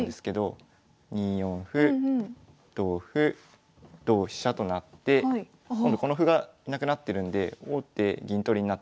２四歩同歩同飛車となって今度この歩がなくなってるんで王手銀取りになってます。